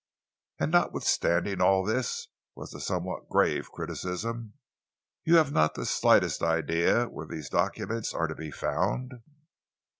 "And notwithstanding all this," was the somewhat grave criticism, "you have not the slightest idea where these documents are to be found?"